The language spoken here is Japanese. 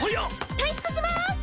退出します！